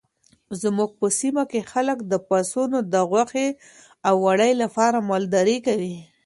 زموږ په سیمه کې خلک د پسونو د غوښې او وړۍ لپاره مالداري کوي.